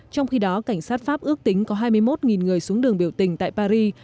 trong khi đó cảnh sát pháp ước tính có hai mươi một người xuống đường biểu tình tại paris